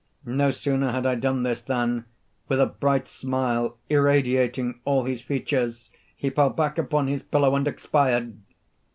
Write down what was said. No sooner had I done this, than, with a bright smile irradiating all his features, he fell back upon his pillow and expired.